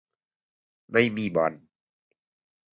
ไม่มีบอล